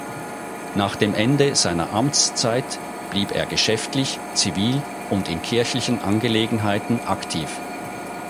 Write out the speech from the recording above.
Nach dem Ende seiner Amtszeit blieb er geschäftlich, zivil und in kirchlichen Angelegenheiten aktiv.